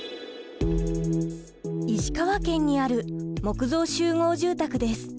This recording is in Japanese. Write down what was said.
石川県にある木造集合住宅です。